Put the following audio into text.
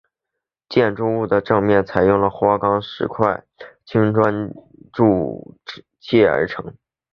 建筑物的正面采用了花岗石块和青砖筑砌而成。